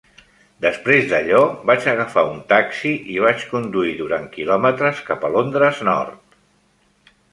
Després d'allò, vaig agafar un taxi i vaig conduir durant kilòmetres cap a Londres nord.